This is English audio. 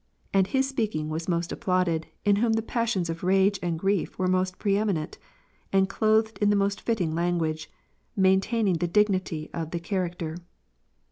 And his speaking was most applauded, in whom the passions of rage and grief were most preeminent, and clothed in the most fitting language, maintaining the dignity of the cha racter.